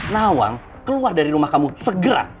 nawang keluar dari rumah kamu segera